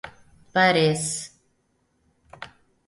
Pa res.